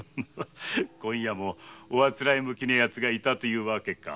今夜もおあつらえ向きのヤツがいたというわけか。